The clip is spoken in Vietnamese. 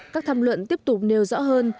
các tham luận tiếp tục nêu rõ hơn